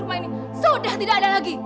rumah ini sudah tidak ada lagi